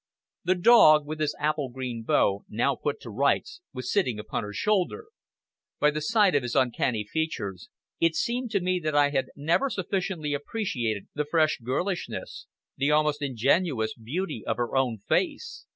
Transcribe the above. The dog, with his apple green bow now put to rights, was sitting upon her shoulder. By the side of his uncanny features, it seemed to me that I had never sufficiently appreciated the fresh girlishness, the almost ingenuous beauty of her own face.